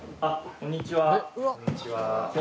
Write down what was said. こんにちは。